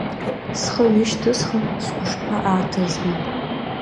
Схы ҩышьҭысхын, сгәышԥы ааҭызгеит.